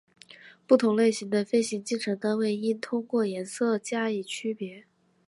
不同类型的飞行进程单应通过颜色加以区别。